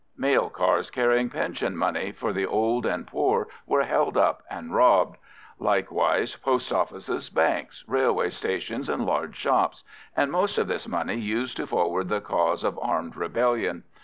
Mail cars carrying pension money for the old and poor were held up and robbed; likewise post offices, banks, railway stations, and large shops—and most of this money used to forward the cause of armed rebellion.